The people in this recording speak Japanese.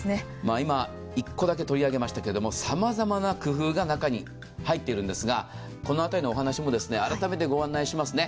今、一個だけ取り上げましたけれども、さまざまな工夫が中に入っているんですが、この辺りのお話も改めて御案内じつすね。